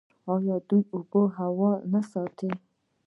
آیا دوی اوبه او هوا نه ساتي؟